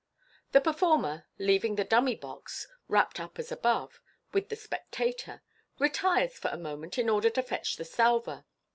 The performer, leaving the dummy box, wrapped up as above, with the spectator, retires for a moment in order to fetch the salver.